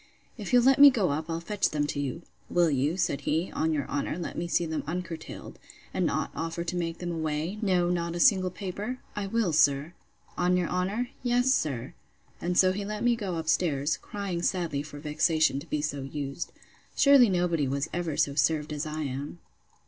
If you'll let me go up I'll fetch them to you. Will you, said he, on your honour, let me see them uncurtailed, and not offer to make them away; no not a single paper?—I will, sir.—On your honour? Yes, sir. And so he let me go up stairs, crying sadly for vexation to be so used. Sure nobody was ever so served as I am!